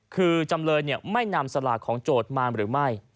คือจำเลยไม่นำสลากของโจทย์มาหรือไม่